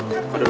masa apa dulu